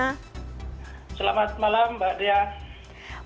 selamat malam mbak dea